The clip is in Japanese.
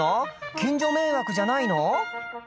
近所迷惑じゃないの？